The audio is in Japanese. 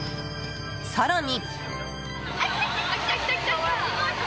更に。